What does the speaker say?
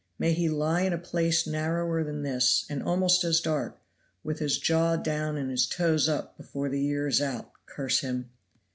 May he lie in a place narrower than this, and almost as dark, with his jaw down and his toes up before the year is out, curse him!"